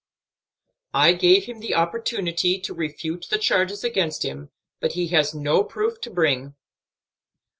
I gave him the opportunity to refute the charges against him, but he has no proof to bring."